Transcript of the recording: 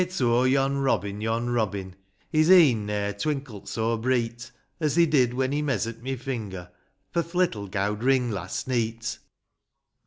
It's oh, yon Robin, yon Robin ; His e'en ne'er twinkle't so breet, As they did when he meazur't my finger For th' little gowd ring last neet!